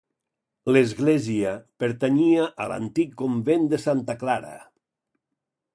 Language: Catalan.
L'església pertanyia a l'antic convent de Santa Clara.